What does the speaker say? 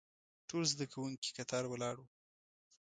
ټول زده کوونکي کتار ولاړ وو.